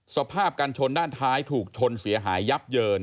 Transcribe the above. สภาพการชนด้านท้ายถูกชนเสียหายยับเยิน